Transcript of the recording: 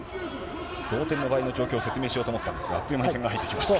同点の場合の状況を説明しようと思ったんですが、あっという間に点が入ってきました。